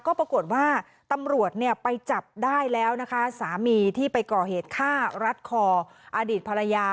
ก็ปรากฏว่าตำรวจเนี่ยไปจับได้แล้วนะคะสามีที่ไปก่อเหตุฆ่ารัดคออดีตภรรยา